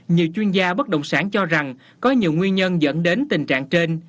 nhiều chuyên gia bất động sản cho rằng có nhiều nguyên nhân dẫn đến tình trạng trên